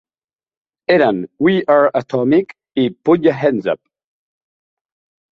Eren "We R Atomic" i "Put Ya Hands Up".